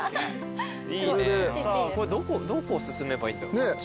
さあどこを進めばいいんだろう。